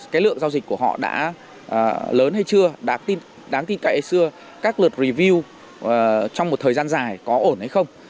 cái lượng giao dịch của họ đã lớn hay chưa đáng tin cậy xưa các lượt review trong một thời gian dài có ổn hay không